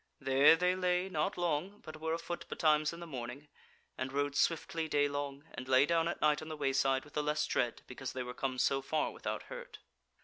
There they lay not long, but were afoot betimes in the morning, and rode swiftly daylong, and lay down at night on the wayside with the less dread because they were come so far without hurt.